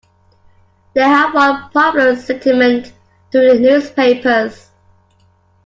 They have won popular sentiment through the newspapers.